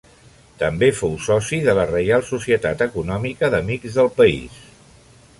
També fou soci de la Reial Societat Econòmica d'Amics del País.